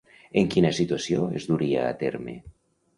En quina situació es duria a terme?